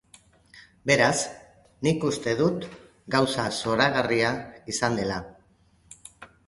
Beraz, nik uste dut gauza zoragarria izan dela.